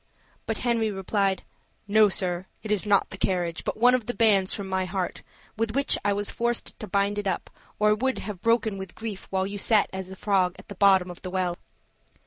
But Henry replied: "No, sir, it is not the carriage but one of the bands from my heart, with which I was forced to bind it up, or it would have broken with grief while you sat as a frog at the bottom of the well."